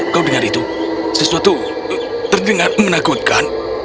kau dengar itu sesuatu terdengar menakutkan